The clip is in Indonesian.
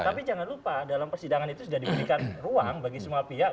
tapi jangan lupa dalam persidangan itu sudah diberikan ruang bagi semua pihak